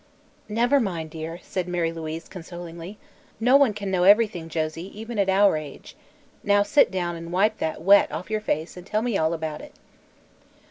"Never mind, dear," said Mary Louise consolingly. "No one can know everything, Josie, even at our age. Now sit down and wipe that wet off your face and tell me all about it."